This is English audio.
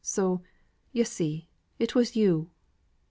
So, yo' see, it was yo'!"